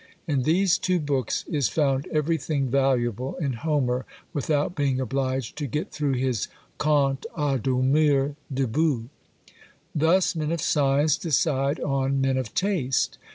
In these two books is found everything valuable in Homer, without being obliged to get through his Contes à dormir debout!" Thus men of science decide on men of taste!